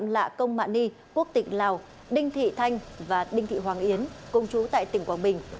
khạm là công mạ ni quốc tỉnh lào đinh thị thanh và đinh thị hoàng yến công chú tại tỉnh quảng bình